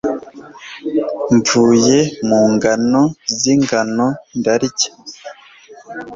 mvuye mu ngano z'ingano ndarya